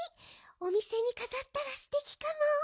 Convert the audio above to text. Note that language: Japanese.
おみせにかざったらすてきかも。